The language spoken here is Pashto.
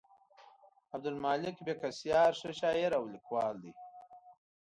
عبدالمالک بېکسیار ښه شاعر او لیکوال دی.